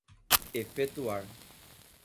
efetuar